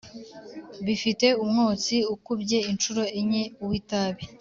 Bifite umwotsi ukubye incuro enye uw’ itabi